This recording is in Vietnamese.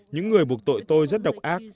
những người buộc tội tôi rất độc ác